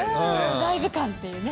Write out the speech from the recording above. ライブ感っていうね。